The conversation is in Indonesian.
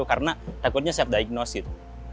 karena takutnya saya di diagnose gitu